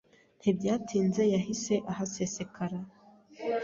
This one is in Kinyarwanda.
Ntibyatinze yahise ahasesekara.